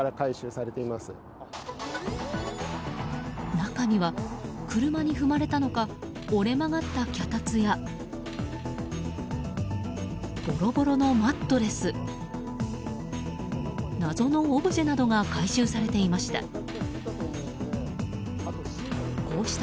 中には、車に踏まれたのか折れ曲がった脚立やボロボロのマットレス謎のオブジェなどが回収されていました。